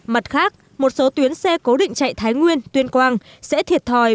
mặt khác một số tuyến xe cố định chạy thái nguyên tuyên quang sẽ thiệt thòi